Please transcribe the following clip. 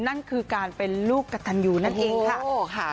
นั่นคือการเป็นลูกกระตันยูนั่นเองค่ะ